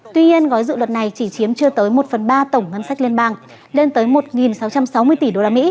tuy nhiên gói dự luật này chỉ chiếm chưa tới một phần ba tổng ngân sách liên bang lên tới một sáu trăm sáu mươi tỷ usd